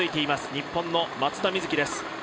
日本の松田瑞生です。